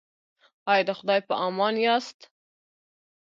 ایا د خدای په امان یاست؟